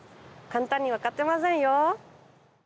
簡単には勝てませんよ！